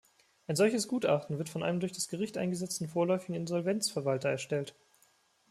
Ein solches Gutachten wird von einem durch das Gericht eingesetzten vorläufigen Insolvenzverwalter erstellt.